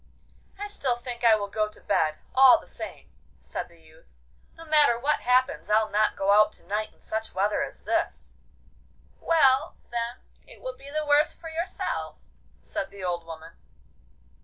'I still think I will go to bed, all the same,' said the youth. 'No matter what happens, I'll not go out to night in such weather as this.' 'Well, then, it will be the worse for yourself,' said the old woman.